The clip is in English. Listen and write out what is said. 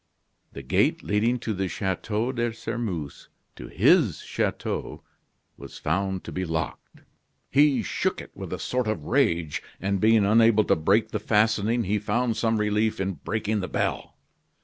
The gate leading to the Chateau de Sairmeuse, to his chateau, was found to be locked. He shook it with a sort of rage; and, being unable to break the fastening, he found some relief in breaking the bell.